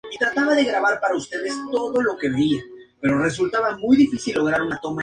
Al año siguiente se proclamó ganador del Rally Sprint.